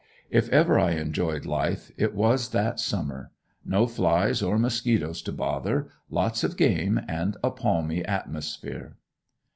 If ever I enjoyed life it was that summer. No flies or mosquitoes to bother, lots of game and a palmy atmosphere.